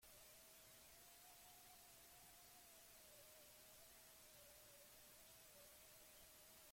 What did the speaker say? Eta diskoaren lorratzen artean lau deiadar, lau ostikada, lau erditze.